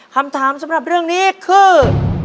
คำถามสำหรับเรื่องนี้คือ